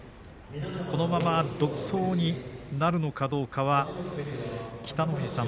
このまま独走になるのかどうかは北の富士さん